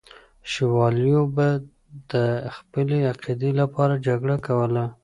شوالیو به د خپلې عقیدې لپاره جګړه کوله.